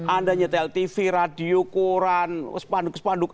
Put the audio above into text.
anda nyetel tv radio koran sepanduk sepanduk